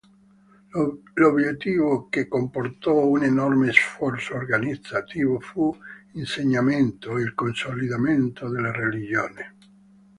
L'obiettivo, che comportò un enorme sforzo organizzativo, fu l'insegnamento e il consolidamento della religione.